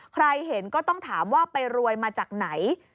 ใครเห็นก็ต้องถามว่าไปรวยมาจากไหน